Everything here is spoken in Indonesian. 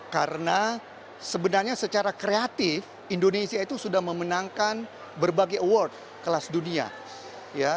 karena sebenarnya secara kreatif indonesia itu sudah memenangkan berbagai award kelas dunia